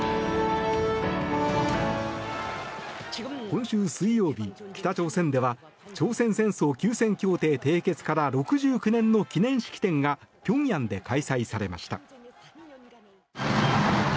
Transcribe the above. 今週水曜日、北朝鮮では朝鮮戦争休戦協定締結から６９年の記念式典が平壌で開催されました。